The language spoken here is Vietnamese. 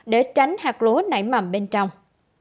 để tránh hạt lúa nảy mầm bên trong